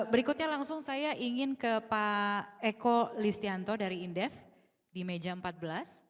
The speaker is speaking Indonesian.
berikutnya langsung saya ingin ke pak eko listianto dari indef di meja empat belas